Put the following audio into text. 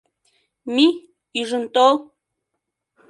Мий, ӱжын тол!..